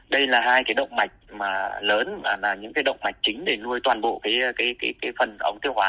đây là hai cái động mạch lớn và là những cái động mạch chính để nuôi toàn bộ phần ống tiêu hóa